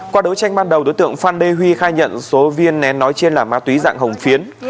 qua đấu tranh ban đầu đối tượng phan đê huy khai nhận số viên nén nói trên là ma túy dạng hồng phiến